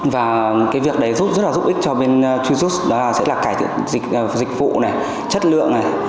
và cái việc đấy giúp rất là giúp ích cho bên tujose đó là sẽ là cải thiện dịch vụ này chất lượng này